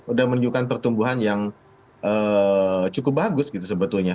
udah menunjukkan pertumbuhan yang cukup bagus gitu sebetulnya